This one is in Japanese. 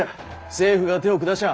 政府が手を下しゃ